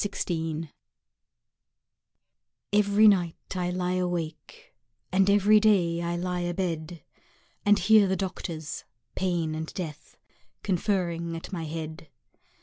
DOCTORS EVERY night I lie awake And every day I lie abed And hear the doctors, Pain and Death, Conferring at my head.